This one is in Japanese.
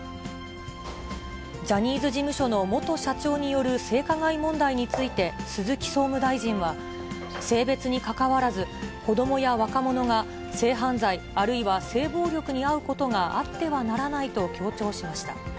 ジャニーズ事務所の元社長による性加害問題について、鈴木総務大臣は、性別にかかわらず、子どもや若者が性犯罪、あるいは性暴力に遭うことがあってはならないと強調しました。